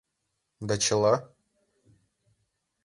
— Да чыла?